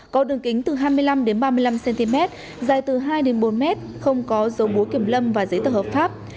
có đường kính từ hai mươi năm ba mươi năm cm dài từ hai bốn m không có dấu búa kiểm lâm và giấy tờ hợp pháp